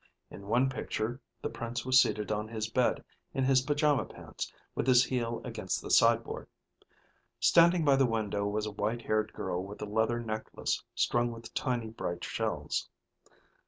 In one picture the Prince was seated on his bed in his pajama pants with his heel against the side board; standing by the window was a white haired girl with a leather necklace strung with tiny, bright shells.